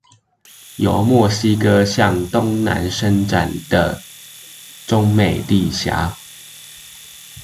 由墨西哥向東南伸展的中美地峽